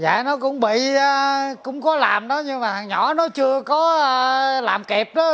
dạ nó cũng bị cũng có làm đó nhưng mà hằng nhỏ nó chưa có làm kịp đó